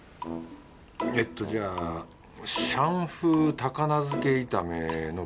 えっとじゃあシャン風高菜漬け炒めの豚で。